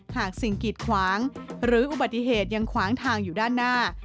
หากสิ่งกิดขวางหรืออุบัติเหตุยังขวางทางอยู่ด้านหน้า